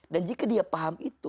dan jika dia paham itu